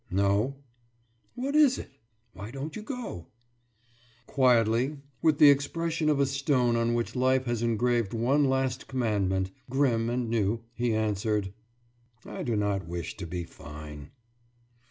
»No.« »What is it? Why don't you go?« Quietly, with the expression of a stone on which life has engraved one last commandment, grim and new, he answered: »I do not wish to be fine.